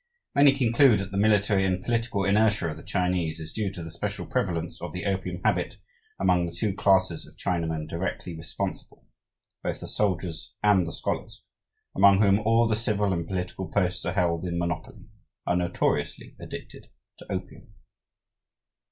Many conclude that the military and political inertia of the Chinese is due to the special prevalence of the opium habit among the two classes of Chinamen directly responsible: both the soldiers and the scholars, among whom all the civil and political posts are held in monopoly, are notoriously addicted to opium."